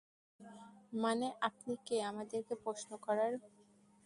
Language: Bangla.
মানে, আপনি কে আমাদেরকে প্রশ্ন করার?